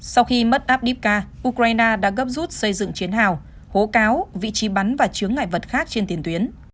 sau khi mất abdifka ukraine đã gấp rút xây dựng chiến hào hố cáo vị trí bắn và chướng ngại vật khác trên tiền tuyến